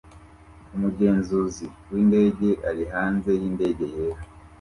Umugenzuzi windege ari hanze yindege yera